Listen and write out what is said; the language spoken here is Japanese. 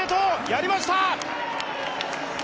やりました！